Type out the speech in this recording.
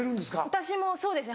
私もそうですね